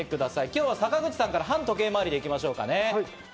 今日は坂口さんから反時計回りで行きましょうかね。